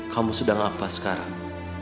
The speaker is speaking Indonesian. kamu sudah ngapa sekarang